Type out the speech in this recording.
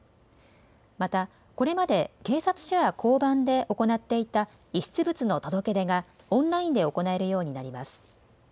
また、これまで警察署や交番で行っていた遺失物の届け出がオンラインで行えるようになります。